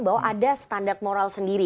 bahwa ada standar moral sendiri